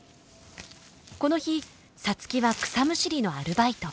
この日皐月は草むしりのアルバイト。